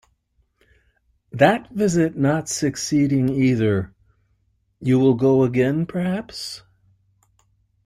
That visit not succeeding either, you will go again perhaps?